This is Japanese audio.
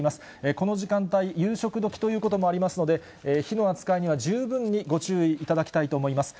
この時間帯、夕食時ということもありますので、火の扱いには十分にご注意いただきたいと思います。